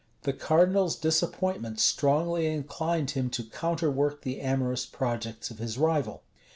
The cardinal's disappointment strongly inclined him to counterwork the amorous projects of his rival.